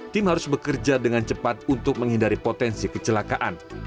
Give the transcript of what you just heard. tim harus bekerja dengan cepat untuk menghindari potensi kecelakaan